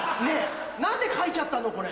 ねぇ何で書いちゃったの？